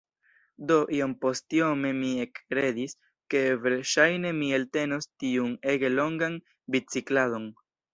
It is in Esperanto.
Do, iompostiome mi ekkredis, ke verŝajne mi eltenos tiun ege longan bicikladon.